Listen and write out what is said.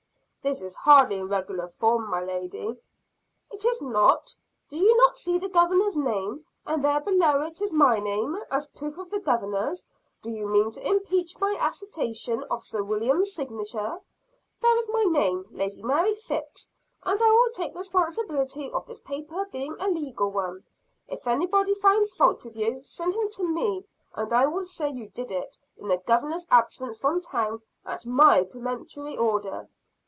"This is hardly in regular form, my lady." "It is not? Do you not see the Governor's name; and there below it is my name, as proof of the Governor's. Do you mean to impeach my attestation of Sir William's signature? There is my name, Lady Mary Phips: and I will take the responsibility of this paper being a legal one. If anybody finds fault with you, send him to me; and I will say you did it, in the Governor's absence from town, at my peremptory order."